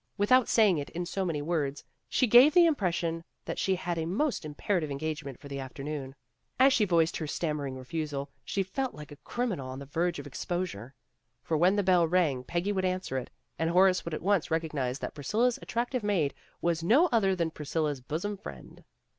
Without saying it in so many words, she gave the impression that she had a most imperative engagement for the afternoon. As she voiced her stammering refusal, she felt like a criminal on the verge of exposure. For when the bell rang Peggy would answer it, and Horace would at once recognize that Priscilla 's attractive maid was no other than Priscilla 's bosom friend.